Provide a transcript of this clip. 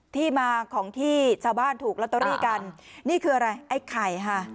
ที่มาของที่ชาวบ้านถูกลอตเตอรี่กันนี่คืออะไรไอ้ไข่ค่ะ